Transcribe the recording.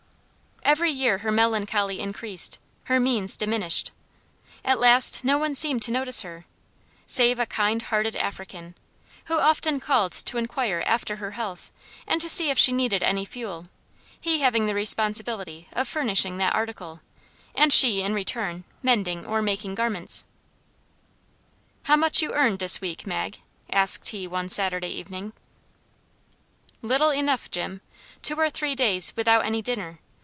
Every year her melancholy increased, her means diminished. At last no one seemed to notice her, save a kind hearted African, who often called to inquire after her health and to see if she needed any fuel, he having the responsibility of furnishing that article, and she in return mending or making garments. "How much you earn dis week, Mag?" asked he one Saturday evening. "Little enough, Jim. Two or three days without any dinner.